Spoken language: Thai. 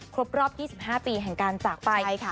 ครบรอบ๒๕ปีแห่งการจากไป